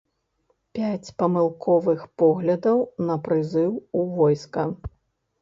Пяць памылковых поглядаў на прызыў у войска.